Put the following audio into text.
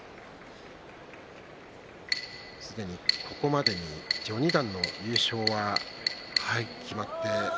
すぐにここまでに序二段の優勝は決まっています。